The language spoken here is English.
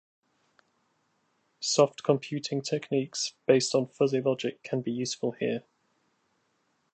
Soft computing techniques, based on fuzzy logic can be useful here.